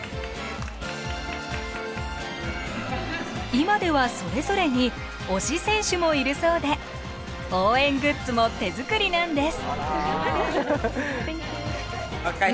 今ではそれぞれに推し選手もいるそうで応援グッズも手作りなんです。